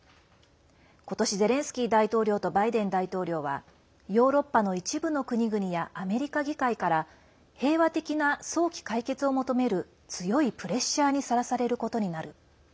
今年、ゼレンスキー大統領とバイデン大統領はヨーロッパの一部の国々やアメリカ議会から平和的な早期解決を求める強いプレッシャーにさらされることになる。